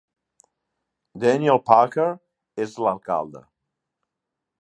Daniel Parker és l'alcalde.